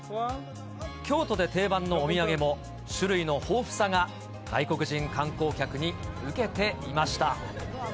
京都で定番のお土産も、種類の豊富さが外国人観光客に受けていました。